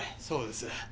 そうです。